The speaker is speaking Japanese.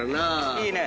いいね。